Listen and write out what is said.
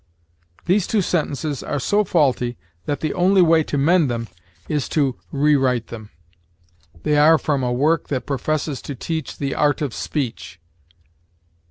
These two sentences are so faulty that the only way to mend them is to rewrite them. They are from a work that professes to teach the "art of speech."